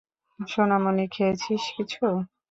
সোনামণি, খেয়েছিস কিছু?